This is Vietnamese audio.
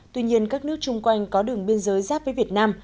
tuy nhiên các nước chung quanh có đường biên giới giáp với việt nam